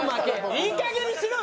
いいかげんにしろよ！